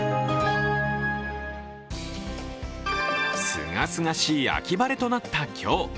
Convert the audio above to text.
すがすがしい秋晴れとなった今日。